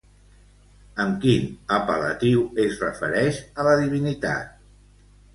Amb quin apel·latiu es refereix a la divinitat?